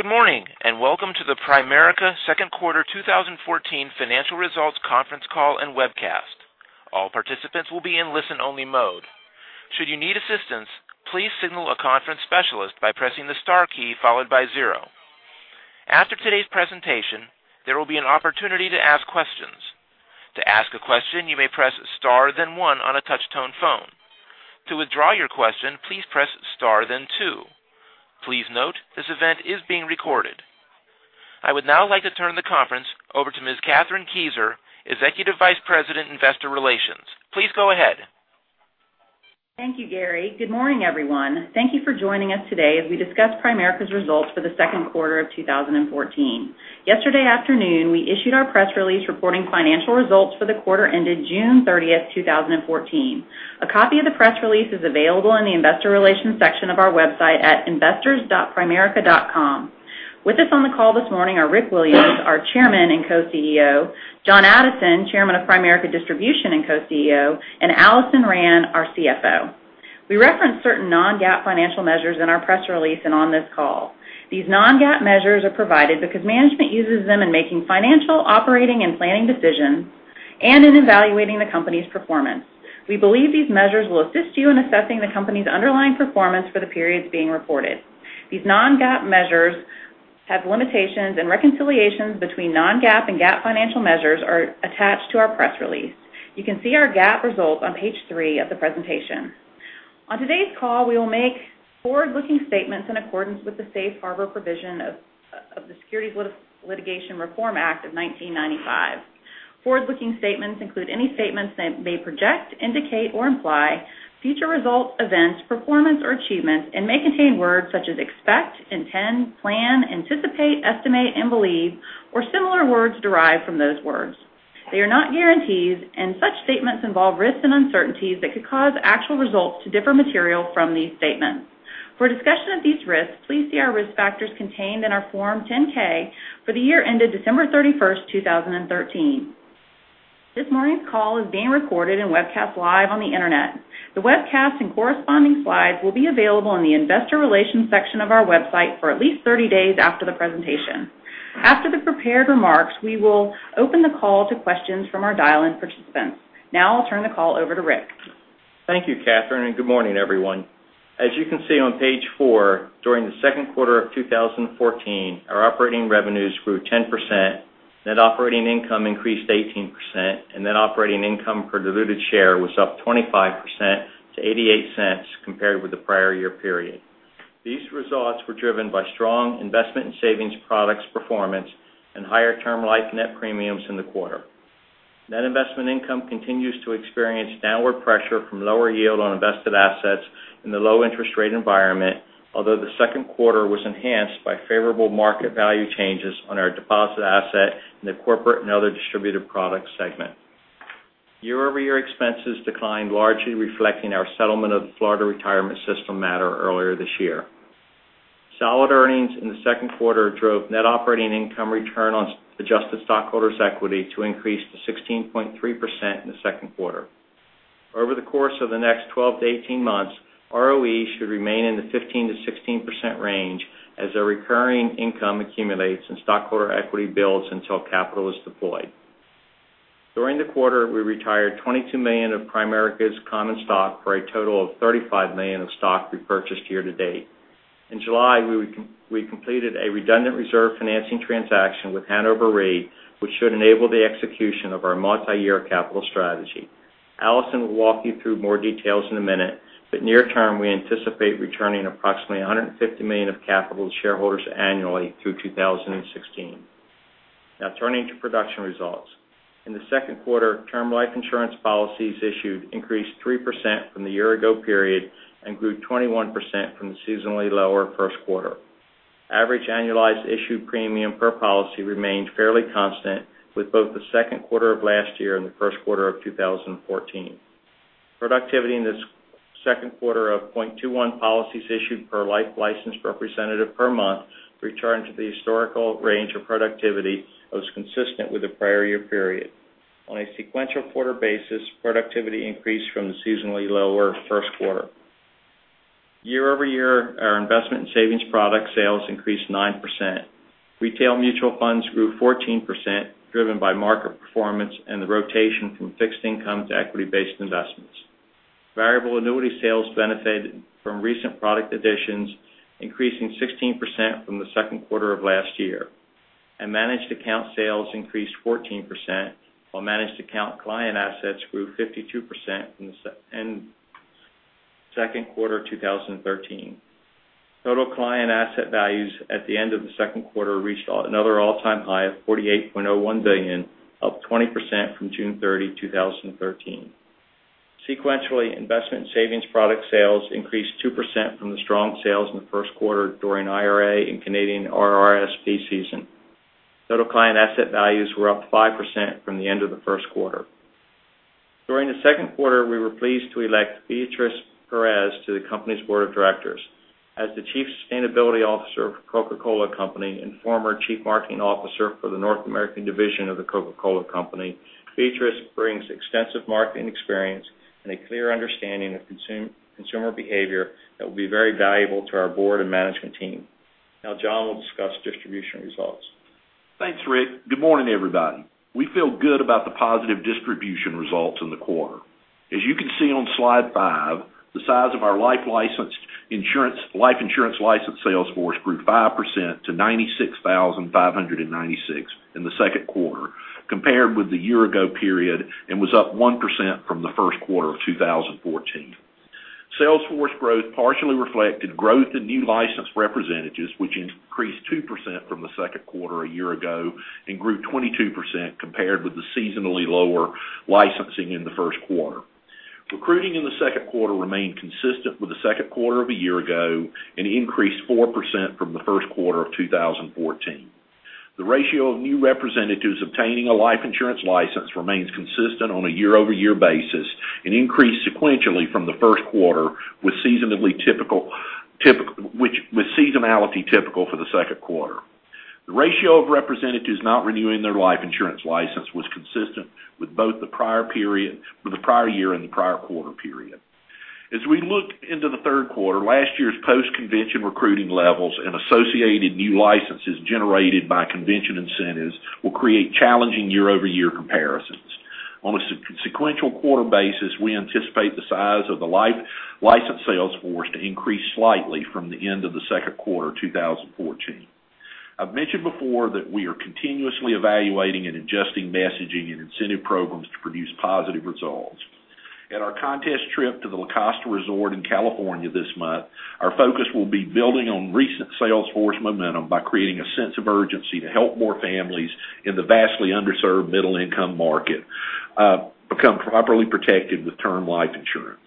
Good morning. Welcome to the Primerica Second Quarter 2014 Financial Results Conference Call and Webcast. All participants will be in listen only mode. Should you need assistance, please signal a conference specialist by pressing the star key followed by zero. After today's presentation, there will be an opportunity to ask questions. To ask a question, you may press star then one on a touch-tone phone. To withdraw your question, please press star then two. Please note, this event is being recorded. I would now like to turn the conference over to Ms. Kathryn Kieser, Executive Vice President, Investor Relations. Please go ahead. Thank you, Gary. Good morning, everyone. Thank you for joining us today as we discuss Primerica's results for the second quarter of 2014. Yesterday afternoon, we issued our press release reporting financial results for the quarter ended June 30th, 2014. A copy of the press release is available in the investor relations section of our website at investors.primerica.com. With us on the call this morning are Rick Williams, our chairman and co-CEO, John Addison, Chairman of Primerica Distribution and co-CEO, and Alison Rand, our CFO. We reference certain non-GAAP financial measures in our press release on this call. These non-GAAP measures are provided because management uses them in making financial, operating, and planning decisions and in evaluating the company's performance. We believe these measures will assist you in assessing the company's underlying performance for the periods being reported. These non-GAAP measures have limitations. Reconciliations between non-GAAP and GAAP financial measures are attached to our press release. You can see our GAAP results on page three of the presentation. On today's call, we will make forward-looking statements in accordance with the safe harbor provision of the Securities Litigation Reform Act of 1995. Forward-looking statements include any statements that may project, indicate, or imply future results, events, performance, or achievements may contain words such as expect, intend, plan, anticipate, estimate, and believe, or similar words derived from those words. They are not guarantees. Such statements involve risks and uncertainties that could cause actual results to differ material from these statements. For a discussion of these risks, please see our risk factors contained in our Form 10-K for the year ended December 31st, 2013. This morning's call is being recorded webcast live on the Internet. The webcast and corresponding slides will be available on the investor relations section of our website for at least 30 days after the presentation. After the prepared remarks, we will open the call to questions from our dial-in participants. Now I'll turn the call over to Rick. Thank you, Kathryn Kieser, and good morning, everyone. As you can see on page four, during the second quarter of 2014, our operating revenues grew 10%, net operating income increased 18%, and net operating income per diluted share was up 25% to $0.88 compared with the prior year period. These results were driven by strong investment and savings products performance and higher Term Life net premiums in the quarter. Net investment income continues to experience downward pressure from lower yield on invested assets in the low interest rate environment, although the second quarter was enhanced by favorable market value changes on our deposit asset in the corporate and other distributor products segment. Year-over-year expenses declined, largely reflecting our settlement of the Florida Retirement System matter earlier this year. Solid earnings in the second quarter drove net operating income return on adjusted stockholders' equity to increase to 16.3% in the second quarter. Over the course of the next 12 to 18 months, ROE should remain in the 15%-16% range as our recurring income accumulates and stockholder equity builds until capital is deployed. During the quarter, we retired $22 million of Primerica's common stock for a total of $35 million of stock repurchased year to date. In July, we completed a redundant reserve financing transaction with Hannover Re, which should enable the execution of our multi-year capital strategy. Alison Rand will walk you through more details in a minute. Near term, we anticipate returning approximately $150 million of capital to shareholders annually through 2016. Now turning to production results. In the second quarter, Term Life insurance policies issued increased 3% from the year-ago period and grew 21% from the seasonally lower first quarter. Average annualized issued premium per policy remained fairly constant with both the second quarter of last year and the first quarter of 2014. Productivity in the second quarter of 0.21 policies issued per life licensed representative per month returned to the historical range of productivity that was consistent with the prior year period. On a sequential quarter basis, productivity increased from the seasonally lower first quarter. Year-over-year, our investment and savings product sales increased 9%. Retail mutual funds grew 14%, driven by market performance and the rotation from fixed income to equity-based investments. Variable annuity sales benefited from recent product additions, increasing 16% from the second quarter of last year. Managed account sales increased 14%, while managed account client assets grew 52% from the second quarter 2013. Total client asset values at the end of the second quarter reached another all-time high of $48.01 billion, up 20% from June 30, 2013. Sequentially, investment and savings product sales increased 2% from the strong sales in the first quarter during IRA and Canadian RRSP season. Total client asset values were up 5% from the end of the first quarter. During the second quarter, we were pleased to elect Beatriz R. Perez to the company's board of directors. As the Chief Sustainability Officer for The Coca-Cola Company and former Chief Marketing Officer for the North American division of The Coca-Cola Company, Beatriz R. Perez brings extensive marketing experience and a clear understanding of consumer behavior that will be very valuable to our board and management team. Now John Addison will discuss distribution results. Thanks, Rick. Good morning, everybody. As you can see on slide five, the size of our life insurance licensed sales force grew 5% to 96,596 in the second quarter compared with the year-ago period and was up 1% from the first quarter of 2014. Sales force growth partially reflected growth in new licensed representatives, which increased 2% from the second quarter a year ago and grew 22% compared with the seasonally lower licensing in the first quarter. Recruiting in the second quarter remained consistent with the second quarter of a year ago and increased 4% from the first quarter of 2014. The ratio of new representatives obtaining a life insurance license remains consistent on a year-over-year basis and increased sequentially from the first quarter, with seasonality typical for the second quarter. The ratio of representatives not renewing their life insurance license was consistent with both the prior year and the prior quarter period. As we look into the third quarter, last year's post-convention recruiting levels and associated new licenses generated by convention incentives will create challenging year-over-year comparisons. On a sequential quarter basis, we anticipate the size of the licensed sales force to increase slightly from the end of the second quarter 2014. I've mentioned before that we are continuously evaluating and adjusting messaging and incentive programs to produce positive results. At our contest trip to the La Costa Resort in California this month, our focus will be building on recent sales force momentum by creating a sense of urgency to help more families in the vastly underserved middle-income market become properly protected with Term Life insurance.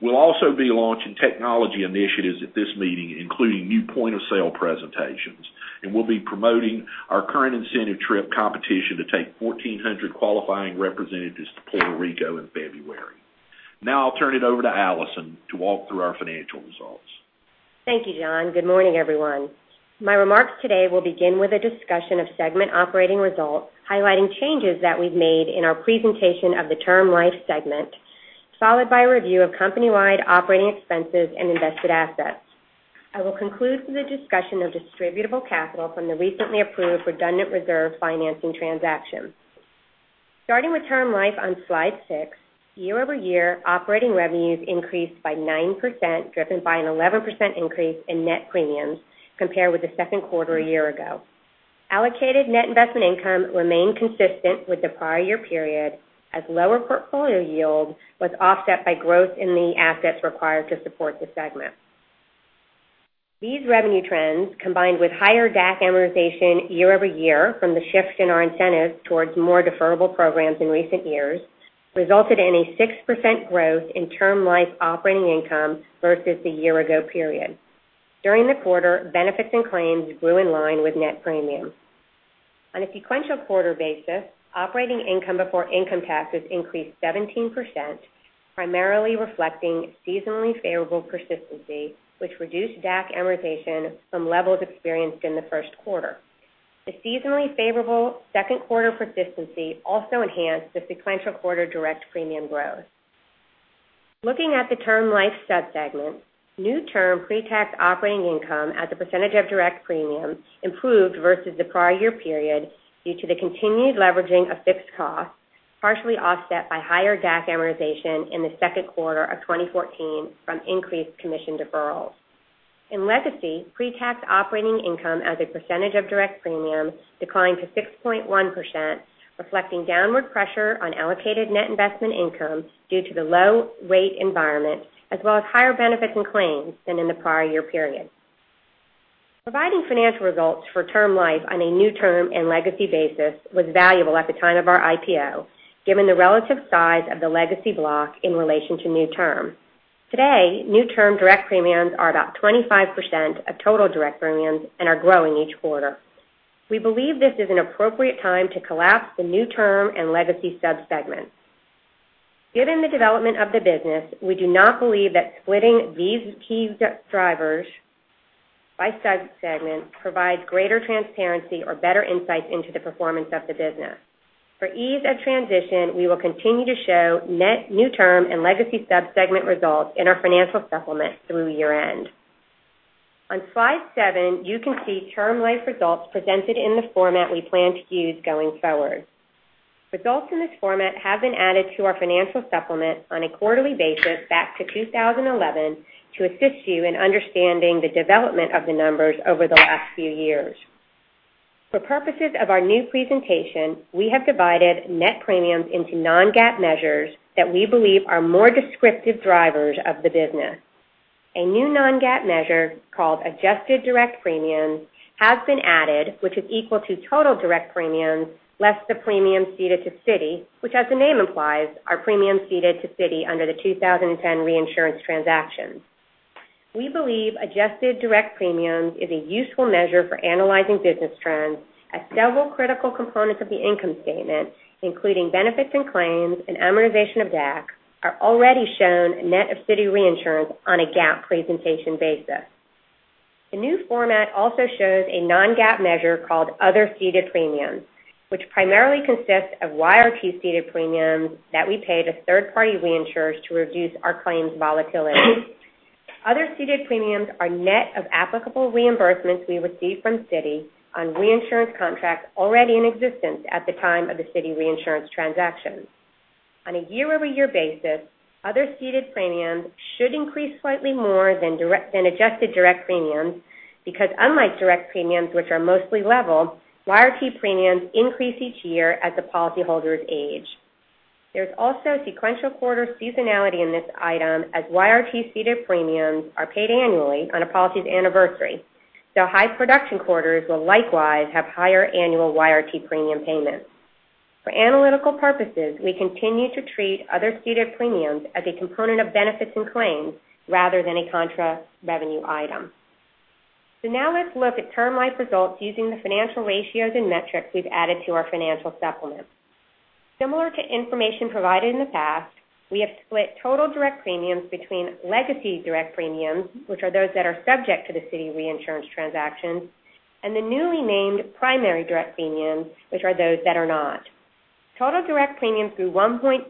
We'll also be launching technology initiatives at this meeting, including new point-of-sale presentations, and we'll be promoting our current incentive trip competition to take 1,400 qualifying representatives to Puerto Rico in February. Now I'll turn it over to Alison to walk through our financial results. Thank you, John. Good morning, everyone. My remarks today will begin with a discussion of segment operating results, highlighting changes that we've made in our presentation of the Term Life segment, followed by a review of company-wide operating expenses and invested assets. I will conclude with a discussion of distributable capital from the recently approved redundant reserve financing transaction. Starting with Term Life on slide six, year-over-year operating revenues increased by 9%, driven by an 11% increase in net premiums compared with the second quarter a year ago. Allocated net investment income remained consistent with the prior year period, as lower portfolio yield was offset by growth in the assets required to support the segment. These revenue trends, combined with higher DAC amortization year-over-year from the shift in our incentives towards more deferrable programs in recent years, resulted in a 6% growth in Term Life operating income versus the year ago period. During the quarter, benefits and claims grew in line with net premiums. On a sequential quarter basis, operating income before income taxes increased 17%, primarily reflecting seasonally favorable persistency, which reduced DAC amortization from levels experienced in the first quarter. The seasonally favorable second quarter persistency also enhanced the sequential quarter direct premium growth. Looking at the Term Life sub-segment, new term pre-tax operating income as a percentage of direct premiums improved versus the prior year period due to the continued leveraging of fixed costs, partially offset by higher DAC amortization in the second quarter of 2014 from increased commission deferrals. In Legacy, pre-tax operating income as a percentage of direct premiums declined to 6.1%, reflecting downward pressure on allocated net investment income due to the low rate environment, as well as higher benefits and claims than in the prior year period. Providing financial results for Term Life on a new term and legacy basis was valuable at the time of our IPO, given the relative size of the Legacy block in relation to new term. Today, new term direct premiums are about 25% of total direct premiums and are growing each quarter. We believe this is an appropriate time to collapse the new term and Legacy sub-segments. Given the development of the business, we do not believe that splitting these key drivers by sub-segment provides greater transparency or better insights into the performance of the business. For ease of transition, we will continue to show net new term and Legacy sub-segment results in our financial supplement through year-end. On slide seven, you can see Term Life results presented in the format we plan to use going forward. Results in this format have been added to our financial supplement on a quarterly basis back to 2011 to assist you in understanding the development of the numbers over the last few years. For purposes of our new presentation, we have divided net premiums into non-GAAP measures that we believe are more descriptive drivers of the business. A new non-GAAP measure called Adjusted Direct Premiums has been added, which is equal to total direct premiums, less the premiums ceded to Citi, which as the name implies, are premiums ceded to Citi under the 2010 reinsurance transaction. We believe Adjusted Direct Premiums is a useful measure for analyzing business trends as several critical components of the income statement, including benefits and claims and amortization of DAC, are already shown net of Citi reinsurance on a GAAP presentation basis. The new format also shows a non-GAAP measure called Other Ceded Premiums, which primarily consists of YRT ceded premiums that we pay to third-party reinsurers to reduce our claims volatility. Other ceded premiums are net of applicable reimbursements we receive from Citi on reinsurance contracts already in existence at the time of the Citi reinsurance transactions. On a year-over-year basis, other ceded premiums should increase slightly more than adjusted direct premiums because unlike direct premiums, which are mostly level, YRT premiums increase each year as the policyholders age. There's also sequential quarter seasonality in this item as YRT ceded premiums are paid annually on a policy's anniversary. High production quarters will likewise have higher annual YRT premium payments. For analytical purposes, we continue to treat Other Ceded Premiums as a component of benefits and claims rather than a contra revenue item. Now let's look at Term Life results using the financial ratios and metrics we've added to our financial supplement. Similar to information provided in the past, we have split total direct premiums between legacy direct premiums, which are those that are subject to the Citi reinsurance transactions, and the newly named primary direct premiums, which are those that are not. Total direct premiums grew 1.6%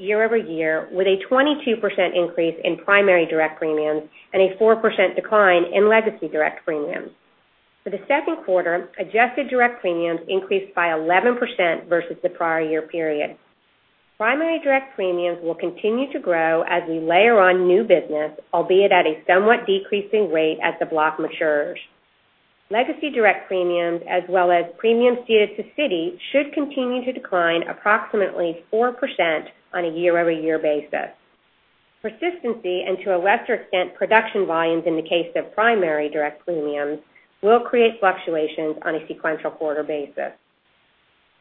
year-over-year, with a 22% increase in primary direct premiums and a 4% decline in legacy direct premiums. For the second quarter, Adjusted Direct Premiums increased by 11% versus the prior year period. Primary direct premiums will continue to grow as we layer on new business, albeit at a somewhat decreasing rate as the block matures. Legacy direct premiums as well as premiums ceded to Citi should continue to decline approximately 4% on a year-over-year basis. Persistency, and to a lesser extent, production volumes in the case of primary direct premiums, will create fluctuations on a sequential quarter basis.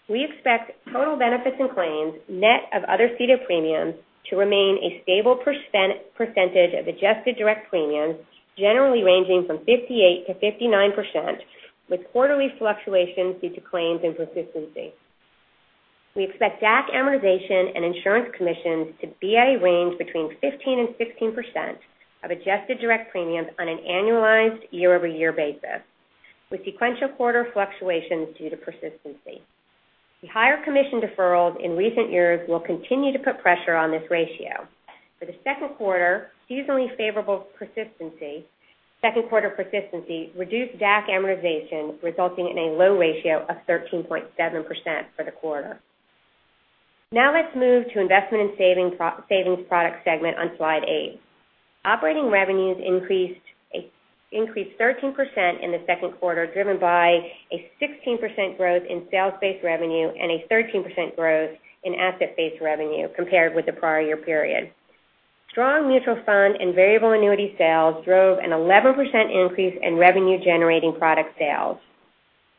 We expect total benefits and claims, net of Other Ceded Premiums, to remain a stable percentage of Adjusted Direct Premiums, generally ranging from 58% to 59%, with quarterly fluctuations due to claims and persistency. We expect DAC amortization and insurance commissions to be a range between 15% and 16% of Adjusted Direct Premiums on an annualized year-over-year basis, with sequential quarter fluctuations due to persistency. The higher commission deferrals in recent years will continue to put pressure on this ratio. For the second quarter, seasonally favorable persistency, second quarter persistency reduced DAC amortization, resulting in a low ratio of 13.7% for the quarter. Let's move to Investment and Savings Product segment on Slide 8. Operating revenues increased 13% in the second quarter, driven by a 16% growth in sales-based revenue and a 13% growth in asset-based revenue compared with the prior year period. Strong mutual fund and variable annuity sales drove an 11% increase in revenue-generating product sales.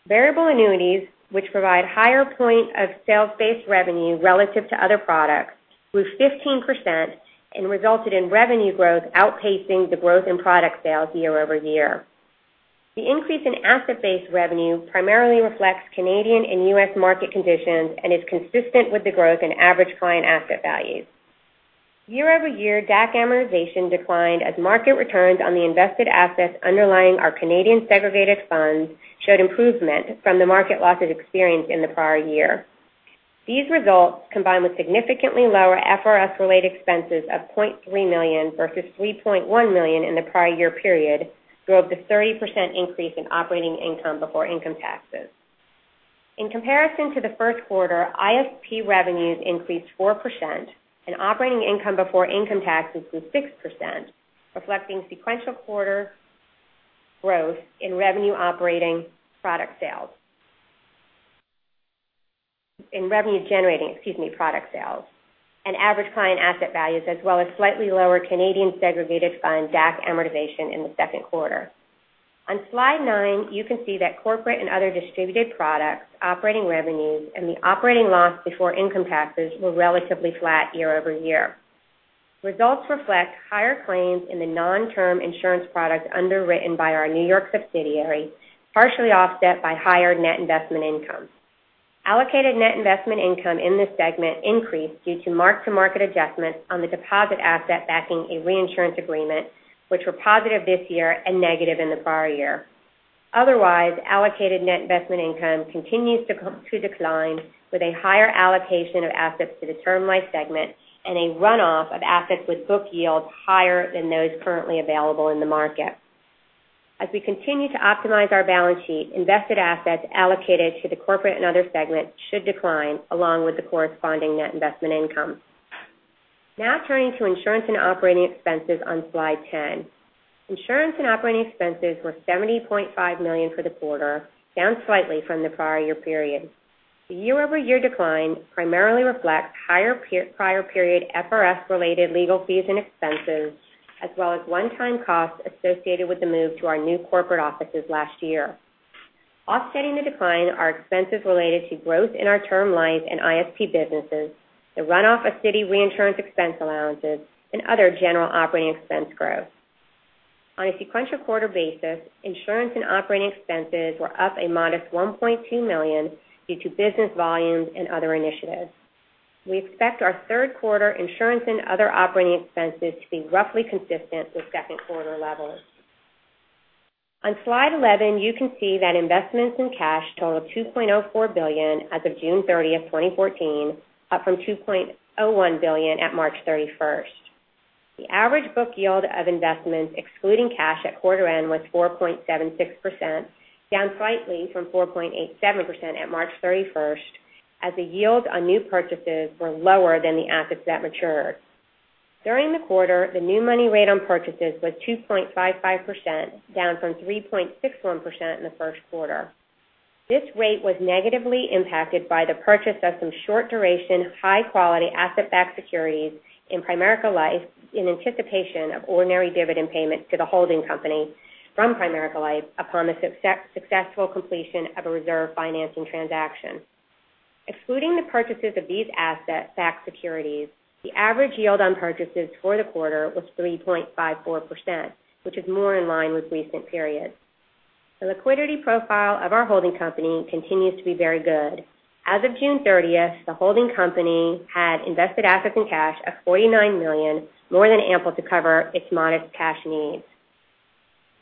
Variable annuities, which provide higher point of sales-based revenue relative to other products, grew 15% and resulted in revenue growth outpacing the growth in product sales year-over-year. The increase in asset-based revenue primarily reflects Canadian and U.S. market conditions and is consistent with the growth in average client asset values. Year-over-year, DAC amortization declined as market returns on the invested assets underlying our Canadian segregated funds showed improvement from the market losses experienced in the prior year. These results, combined with significantly lower FRS-related expenses of $0.3 million versus $3.1 million in the prior year period, drove the 30% increase in operating income before income taxes. In comparison to the first quarter, ISP revenues increased 4% and operating income before income taxes grew 6%, reflecting sequential quarter growth in revenue-generating product sales and average client asset values, as well as slightly lower Canadian segregated fund DAC amortization in the second quarter. On Slide 9, you can see that Corporate and Other Distributed Products, operating revenues, and the operating loss before income taxes were relatively flat year-over-year. Results reflect higher claims in the non-Term Life insurance products underwritten by our New York subsidiary, partially offset by higher net investment income. Allocated net investment income in this segment increased due to mark-to-market adjustments on the deposit asset backing a reinsurance agreement, which were positive this year and negative in the prior year. Otherwise, allocated net investment income continues to decline, with a higher allocation of assets to the Term Life segment and a runoff of assets with book yields higher than those currently available in the market. As we continue to optimize our balance sheet, invested assets allocated to the corporate and other segment should decline, along with the corresponding net investment income. Turning to insurance and operating expenses on Slide 10. Insurance and operating expenses were $70.5 million for the quarter, down slightly from the prior year period. The year-over-year decline primarily reflects higher prior period FRS-related legal fees and expenses, as well as one-time costs associated with the move to our new corporate offices last year. Offsetting the decline are expenses related to growth in our Term Life and ISP businesses, the runoff of Citi reinsurance expense allowances, and other general operating expense growth. On a sequential quarter basis, insurance and operating expenses were up a modest $1.2 million due to business volumes and other initiatives. We expect our third quarter insurance and other operating expenses to be roughly consistent with second quarter levels. On slide 11, you can see that investments in cash total $2.04 billion as of June 30th, 2014, up from $2.01 billion at March 31st. The average book yield of investments, excluding cash at quarter end, was 4.76%, down slightly from 4.87% at March 31st as the yield on new purchases were lower than the assets that matured. During the quarter, the new money rate on purchases was 2.55%, down from 3.61% in the first quarter. This rate was negatively impacted by the purchase of some short duration, high quality asset-backed securities in Primerica Life in anticipation of ordinary dividend payments to the holding company from Primerica Life upon the successful completion of a reserve financing transaction. Excluding the purchases of these asset-backed securities, the average yield on purchases for the quarter was 3.54%, which is more in line with recent periods. The liquidity profile of our holding company continues to be very good. As of June 30th, the holding company had invested assets in cash of $49 million, more than ample to cover its modest cash needs.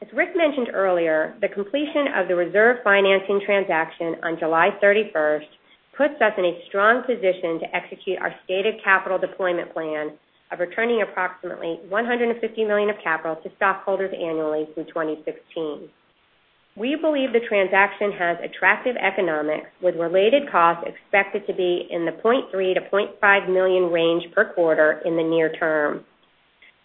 As Rick mentioned earlier, the completion of the reserve financing transaction on July 31st puts us in a strong position to execute our stated capital deployment plan of returning approximately $150 million of capital to stockholders annually through 2016. We believe the transaction has attractive economics with related costs expected to be in the $0.3 million to $0.5 million range per quarter in the near term.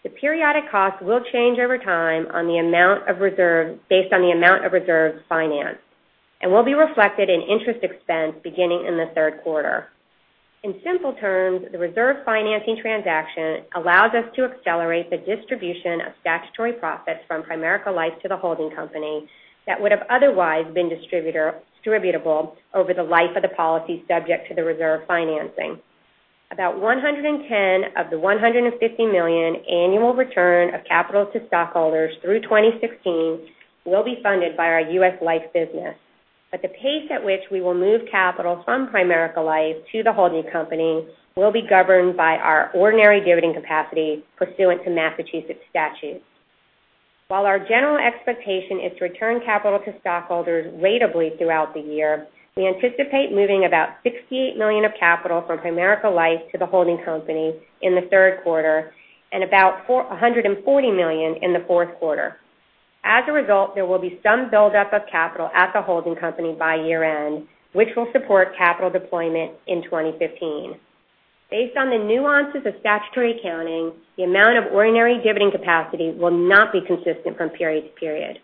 The periodic cost will change over time based on the amount of reserves financed and will be reflected in interest expense beginning in the third quarter. In simple terms, the reserve financing transaction allows us to accelerate the distribution of statutory profits from Primerica Life to the holding company that would have otherwise been distributable over the life of the policy subject to the reserve financing. About $110 of the $150 million annual return of capital to stockholders through 2016 will be funded by our U.S. Life business. The pace at which we will move capital from Primerica Life to the holding company will be governed by our ordinary dividend capacity pursuant to Massachusetts statute. While our general expectation is to return capital to stockholders ratably throughout the year, we anticipate moving about $68 million of capital from Primerica Life to the holding company in the third quarter and about $140 million in the fourth quarter. As a result, there will be some buildup of capital at the holding company by year end, which will support capital deployment in 2015. Based on the nuances of statutory accounting, the amount of ordinary dividend capacity will not be consistent from period to period.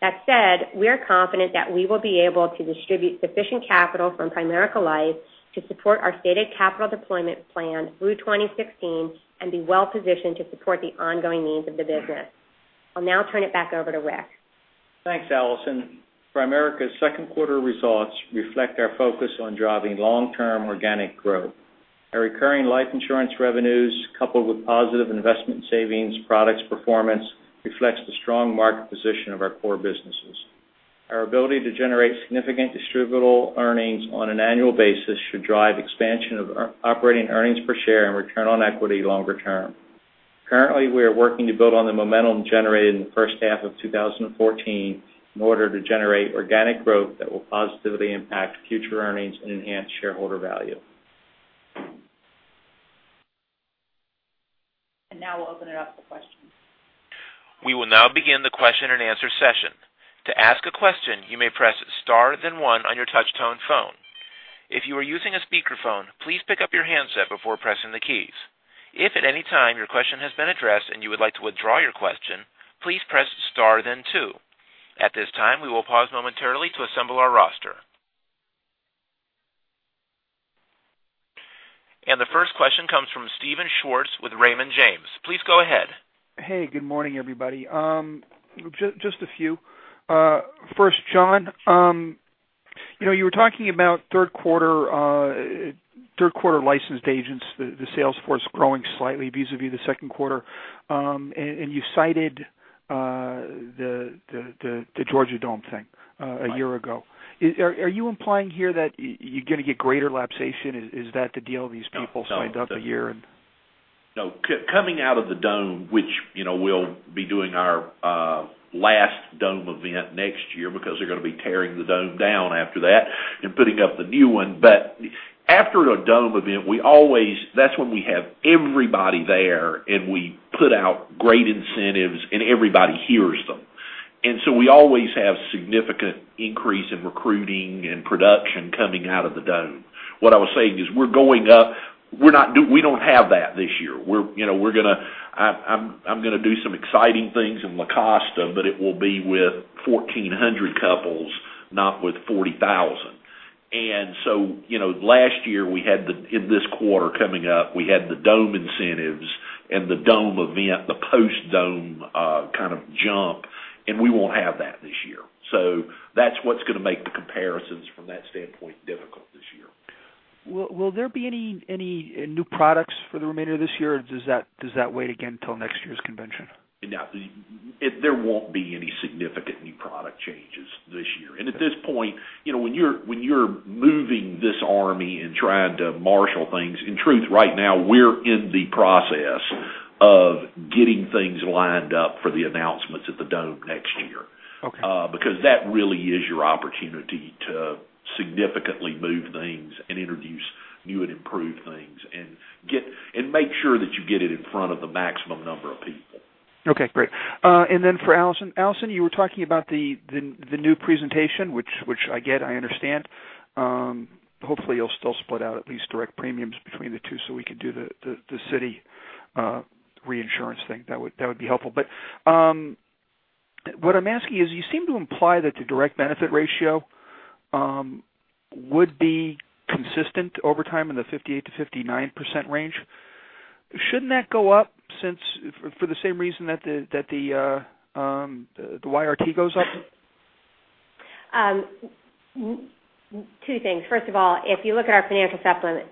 That said, we are confident that we will be able to distribute sufficient capital from Primerica Life to support our stated capital deployment plan through 2016 and be well-positioned to support the ongoing needs of the business. I'll now turn it back over to Rick. Thanks, Alison. Primerica's second quarter results reflect our focus on driving long-term organic growth. Our recurring life insurance revenues, coupled with positive investment savings products performance, reflects the strong market position of our core businesses. Our ability to generate significant distributable earnings on an annual basis should drive expansion of operating earnings per share and return on equity longer term. Currently, we are working to build on the momentum generated in the first half of 2014 in order to generate organic growth that will positively impact future earnings and enhance shareholder value. Now we'll open it up for questions. We will now begin the question and answer session. To ask a question, you may press star then one on your touch tone phone. If you are using a speakerphone, please pick up your handset before pressing the keys. If at any time your question has been addressed and you would like to withdraw your question, please press star then two. At this time, we will pause momentarily to assemble our roster. The first question comes from Steven Schwartz with Raymond James. Please go ahead. Hey, good morning, everybody. Just a few. First, John, you were talking about third quarter licensed agents, the sales force growing slightly vis-à-vis the second quarter. You cited the Georgia Dome thing a year ago. Right. Are you implying here that you're going to get greater lapsation? Is that the deal these people signed up a year? No. Coming out of the Dome, which we'll be doing our last Dome event next year because they're going to be tearing the Dome down after that and putting up the new one. After a Dome event, that's when we have everybody there, we put out great incentives, everybody hears them. We always have significant increase in recruiting and production coming out of the Dome. What I was saying is we're going up. We don't have that this year. I'm going to do some exciting things in La Costa, but it will be with 1,400 couples, not with 40,000. Last year, in this quarter coming up, we had the Dome incentives and the Dome event, the post-Dome kind of jump, we won't have that this year. That's what's going to make the comparisons from that standpoint difficult this year. Will there be any new products for the remainder of this year, or does that wait again till next year's convention? No. There won't be any significant new product changes this year. At this point, when you're moving this army and trying to marshal things, in truth, right now we're in the process of getting things lined up for the announcements at the Dome next year. Okay. That really is your opportunity to significantly move things and introduce new and improved things, and make sure that you get it in front of the maximum number of people. Okay, great. Then for Alison. Alison, you were talking about the new presentation, which I get, I understand. Hopefully, you'll still split out at least direct premiums between the two so we could do the Citi reinsurance thing. That would be helpful. What I'm asking is, you seem to imply that the direct benefit ratio would be consistent over time in the 58%-59% range. Shouldn't that go up for the same reason that the YRT goes up? Two things. First of all, if you look at our financial supplement,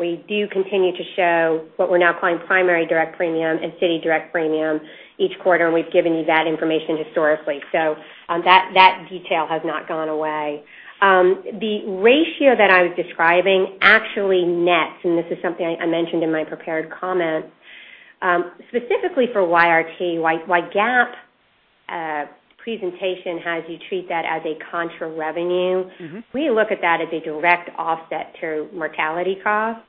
we do continue to show what we're now calling Primary direct premium and Citi direct premium each quarter, and we've given you that information historically. That detail has not gone away. The ratio that I was describing actually nets, and this is something I mentioned in my prepared comments. Specifically for YRT, GAAP presentation has you treat that as a contra revenue. We look at that as a direct offset to mortality cost.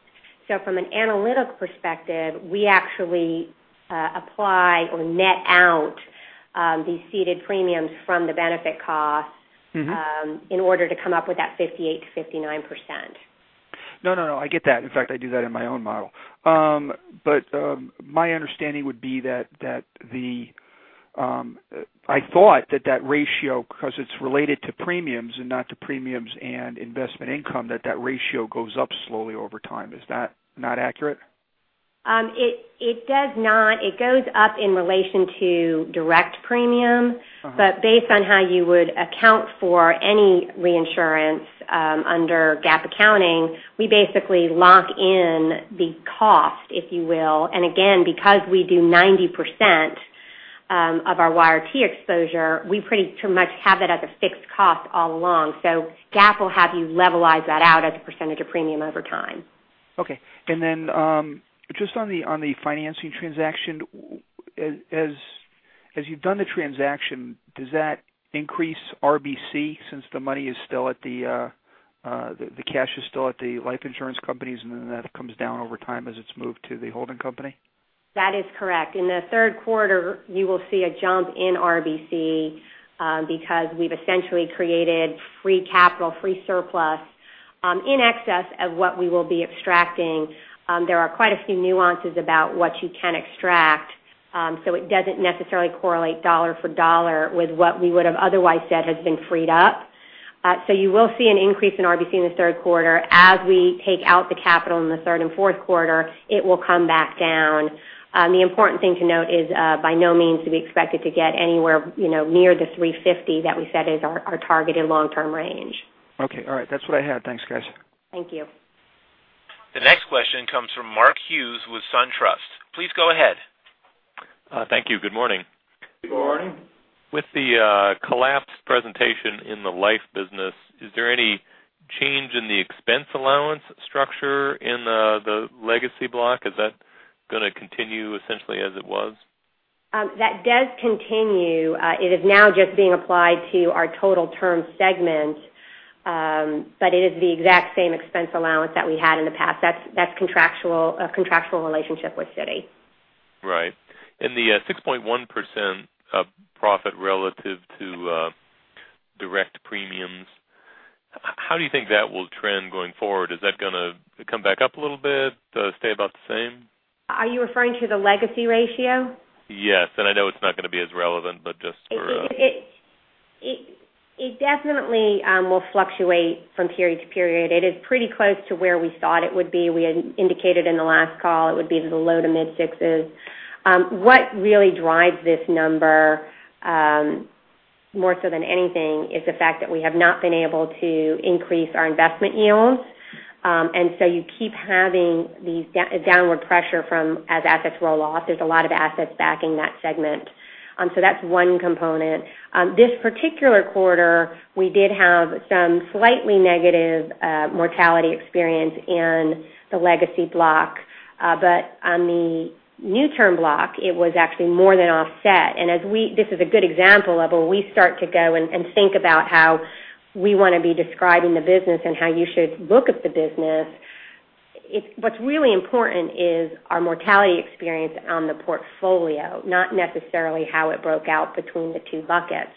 From an analytic perspective, we actually apply or net out these ceded premiums from the benefit costs- in order to come up with that 58%-59%. I get that. In fact, I do that in my own model. My understanding would be that I thought that that ratio, because it's related to premiums and not to premiums and investment income, that that ratio goes up slowly over time. Is that not accurate? It does not. It goes up in relation to direct premium. Based on how you would account for any reinsurance under GAAP accounting, we basically lock in the cost, if you will. Again, because we do 90% of our YRT exposure, we pretty much have it at a fixed cost all along. GAAP will have you levelize that out as a percentage of premium over time. Okay. Then just on the financing transaction, as you've done the transaction, does that increase RBC since the cash is still at the life insurance companies and then that comes down over time as it's moved to the holding company? That is correct. In the third quarter, you will see a jump in RBC because we've essentially created free capital, free surplus in excess of what we will be extracting. There are quite a few nuances about what you can extract. It doesn't necessarily correlate dollar for dollar with what we would've otherwise said has been freed up. You will see an increase in RBC in the third quarter. As we take out the capital in the third and fourth quarter, it will come back down. The important thing to note is by no means to be expected to get anywhere near the 350 that we said is our targeted long-term range. Okay. All right. That's what I had. Thanks, guys. Thank you. The next question comes from Mark Hughes with SunTrust. Please go ahead. Thank you. Good morning. Good morning. With the collapsed presentation in the life business, is there any change in the expense allowance structure in the legacy block? Is that going to continue essentially as it was? That does continue. It is now just being applied to our total term segment. It is the exact same expense allowance that we had in the past. That's a contractual relationship with Citi. Right. In the 6.1% of profit relative to direct premiums, how do you think that will trend going forward? Is that going to come back up a little bit? Stay about the same? Are you referring to the legacy ratio? Yes, I know it's not going to be as relevant, but just. It definitely will fluctuate from period to period. It is pretty close to where we thought it would be. We had indicated in the last call it would be the low to mid-sixes. What really drives this number more so than anything is the fact that we have not been able to increase our investment yields. You keep having these downward pressure as assets roll off. There's a lot of assets backing that segment. That's one component. This particular quarter, we did have some slightly negative mortality experience in the legacy block. On the new Term block, it was actually more than offset. This is a good example of where we start to go and think about how we want to be describing the business and how you should look at the business. What's really important is our mortality experience on the portfolio, not necessarily how it broke out between the two buckets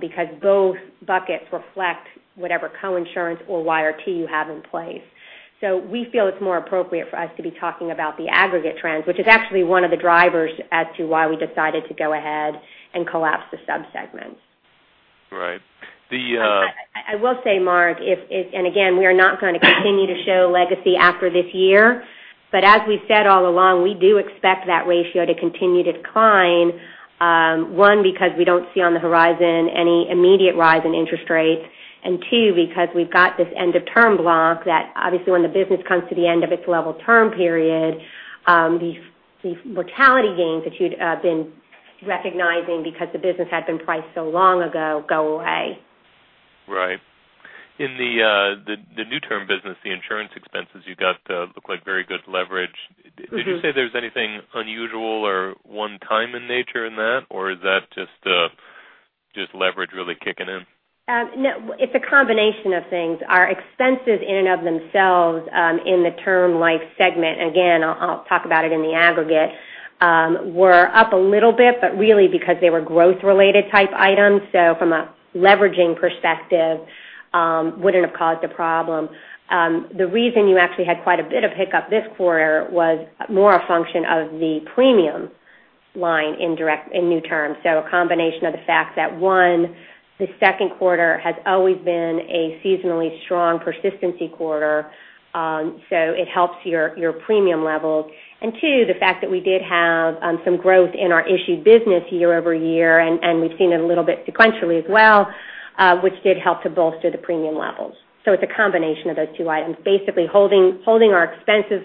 because both buckets reflect whatever coinsurance or YRT you have in place. We feel it's more appropriate for us to be talking about the aggregate trends, which is actually one of the drivers as to why we decided to go ahead and collapse the sub-segments. Right. I will say, Mark, again, we are not going to continue to show legacy after this year. As we've said all along, we do expect that ratio to continue to decline. One, because we don't see on the horizon any immediate rise in interest rates. Two, because we've got this end of term block that obviously when the business comes to the end of its level term period these mortality gains that you'd been recognizing because the business had been priced so long ago go away. Right. In the new term business, the insurance expenses you got look like very good leverage. Did you say there's anything unusual or one-time in nature in that, or is that just leverage really kicking in? No, it's a combination of things. Our expenses in and of themselves, in the Term Life segment, again, I'll talk about it in the aggregate, were up a little bit, but really because they were growth-related type items, so from a leveraging perspective, wouldn't have caused a problem. The reason you actually had quite a bit of hiccup this quarter was more a function of the premium line in new Term Life. A combination of the fact that, 1, the second quarter has always been a seasonally strong persistency quarter, so it helps your premium levels. 2, the fact that we did have some growth in our issued business year-over-year, and we've seen it a little bit sequentially as well, which did help to bolster the premium levels. It's a combination of those 2 items, basically holding our expenses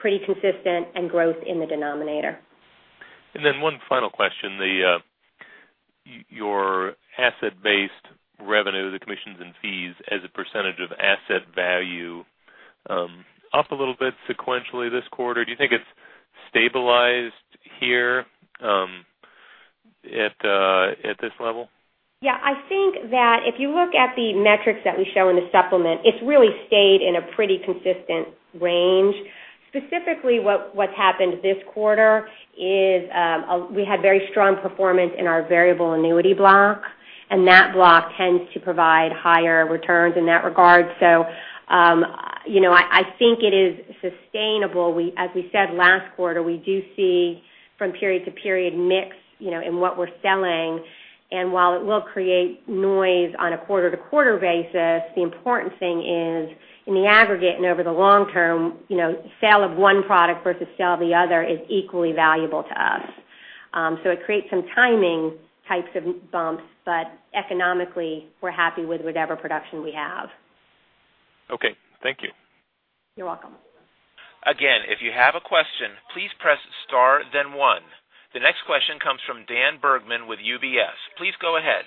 pretty consistent and growth in the denominator. 1 final question. Your asset-based revenue, the commissions and fees as a % of asset value, up a little bit sequentially this quarter. Do you think it's stabilized here at this level? I think that if you look at the metrics that we show in the supplement, it's really stayed in a pretty consistent range. Specifically what's happened this quarter is we had very strong performance in our variable annuity block, and that block tends to provide higher returns in that regard. I think it is sustainable. As we said last quarter, we do see from period to period mix in what we're selling, and while it will create noise on a quarter-to-quarter basis, the important thing is in the aggregate and over the long term, sale of 1 product versus sale of the other is equally valuable to us. It creates some timing types of bumps, but economically we're happy with whatever production we have. Thank you. You're welcome. If you have a question, please press star then one. The next question comes from Daniel Bergman with UBS. Please go ahead.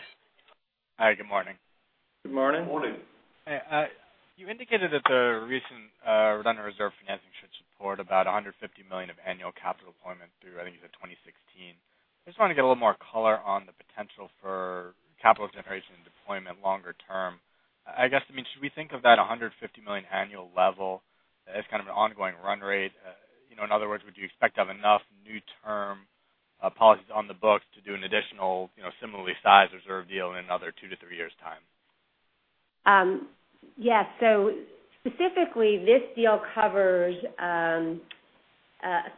Hi, good morning. Good morning. Good morning. You indicated that the recent redundant reserve financing should support about $150 million of annual capital deployment through, I think you said 2016. I just wanted to get a little more color on the potential for capital generation deployment longer term. I guess, should we think of that $150 million annual level as kind of an ongoing run rate? In other words, would you expect to have enough new Term policies on the books to do an additional similarly sized reserve deal in another 2 to 3 years' time? Specifically this deal covers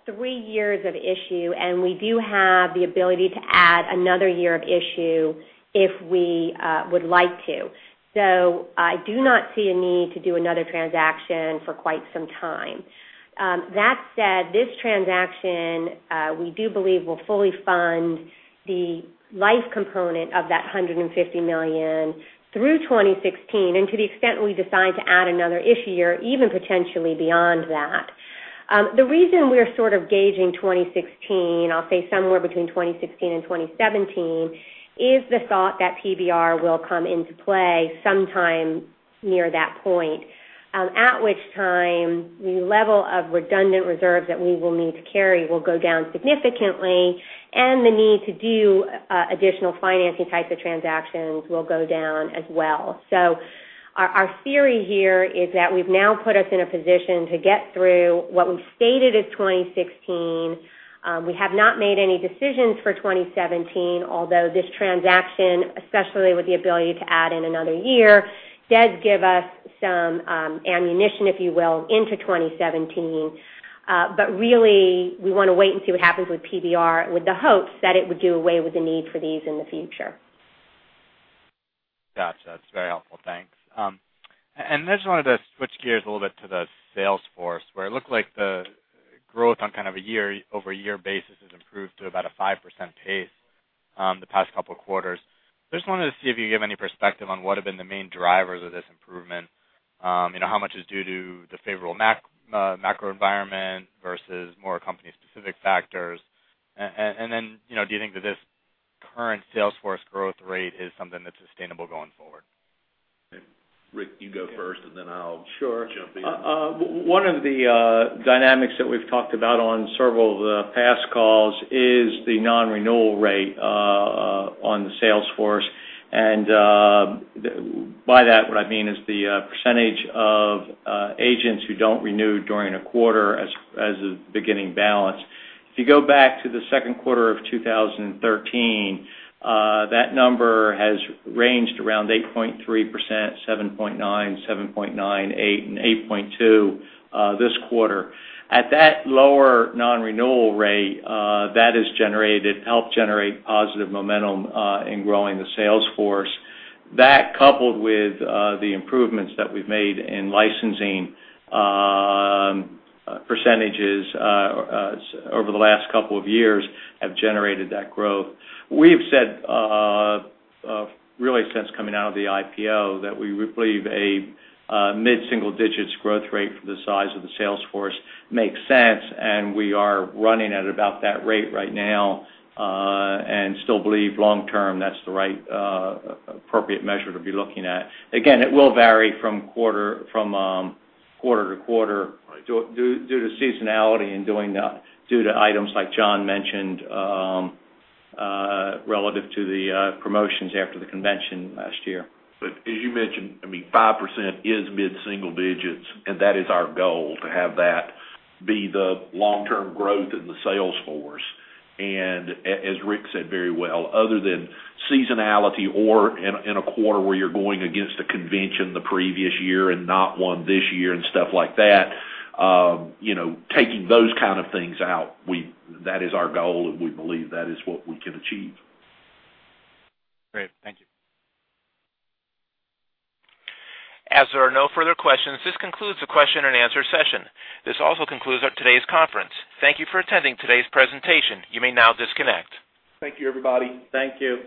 three years of issue, and we do have the ability to add another year of issue if we would like to. I do not see a need to do another transaction for quite some time. That said, this transaction, we do believe will fully fund the life component of that $150 million through 2016. To the extent we decide to add another issue year, even potentially beyond that. The reason we are sort of gauging 2016, I'll say somewhere between 2016 and 2017, is the thought that PBR will come into play sometime near that point. At which time the level of redundant reserves that we will need to carry will go down significantly and the need to do additional financing types of transactions will go down as well. Our theory here is that we've now put us in a position to get through what we've stated is 2016. We have not made any decisions for 2017, although this transaction, especially with the ability to add in another year, does give us some ammunition, if you will, into 2017. Really we want to wait and see what happens with PBR with the hopes that it would do away with the need for these in the future. Gotcha. That's very helpful. Thanks. I just wanted to switch gears a little bit to the sales force, where it looked like the growth on kind of a year-over-year basis has improved to about a 5% pace the past couple of quarters. Just wanted to see if you could give any perspective on what have been the main drivers of this improvement. How much is due to the favorable macro environment versus more company specific factors? Do you think that this current sales force growth rate is something that's sustainable going forward? Rick, you go first. I'll jump in. Sure. One of the dynamics that we've talked about on several of the past calls is the non-renewal rate on the sales force. By that what I mean is the percentage of agents who don't renew during a quarter as a beginning balance. If you go back to the second quarter of 2013, that number has ranged around 8.3%, 7.9%, 7.9%, 8%, and 8.2% this quarter. At that lower non-renewal rate, that has helped generate positive momentum in growing the sales force. That coupled with the improvements that we've made in licensing percentages over the last couple of years have generated that growth. We've said, really since coming out of the IPO, that we believe a mid-single-digits growth rate for the size of the sales force makes sense. We are running at about that rate right now, still believe long term that's the right appropriate measure to be looking at. Again, it will vary from quarter-to-quarter due to seasonality and due to items like John mentioned, relative to the promotions after the convention last year. As you mentioned, 5% is mid-single digits, and that is our goal to have that be the long-term growth in the sales force. As Rick said very well, other than seasonality or in a quarter where you're going against a convention the previous year and not one this year and stuff like that, taking those kind of things out, that is our goal, and we believe that is what we can achieve. Great. Thank you. As there are no further questions, this concludes the question and answer session. This also concludes today's conference. Thank you for attending today's presentation. You may now disconnect. Thank you, everybody. Thank you.